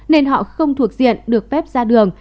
nên họ không thuộc diện được phép ra đường